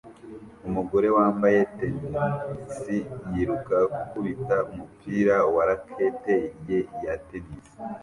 Umugore wambaye tennis yiruka gukubita umupira na racket ye ya tennis